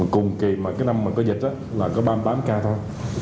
cùng kỳ mà cái năm mà có dịch là có ba mươi tám ca thôi